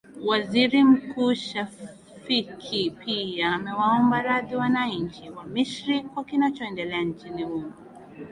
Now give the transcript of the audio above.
waziri mkuu shafikhi pia amewaomba radhi wananchi wa misri kwa kinachoendelea nchini humo